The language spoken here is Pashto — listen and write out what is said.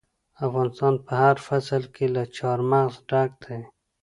افغانستان په هر فصل کې له چار مغز ډک دی.